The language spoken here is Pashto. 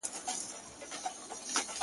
• ګرفتار دي په غمزه یمه له وخته,